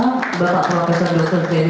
pemerintah memberikan dukungan